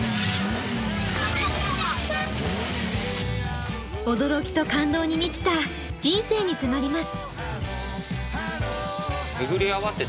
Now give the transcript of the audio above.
今回は驚きと感動に満ちた人生に迫ります。